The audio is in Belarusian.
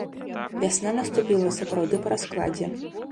Вясна наступіла сапраўды па раскладзе.